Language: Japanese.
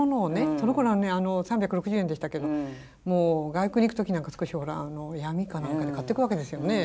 そのころは３６０円でしたけど外国に行く時なんか少しほら闇か何かで買ってくわけですよね。